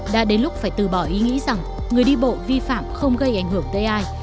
đã đến lúc phải từ bỏ ý nghĩ rằng người đi bộ vi phạm không gây ảnh hưởng tới ai